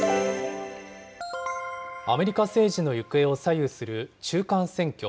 アメリカ政治の行方を左右する中間選挙。